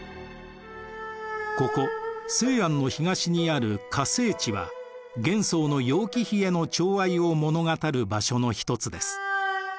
ここ西安の東にある華清池は玄宗の楊貴妃へのちょう愛を物語る場所の一つです。